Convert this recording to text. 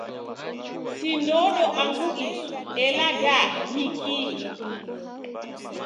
Si ndodo angu isu, ela da ni kii?